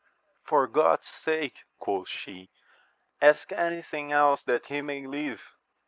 For God's sake, quoth she, ask any thing else that he may live